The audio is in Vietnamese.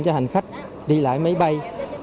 cho hành khách đi lại máy bay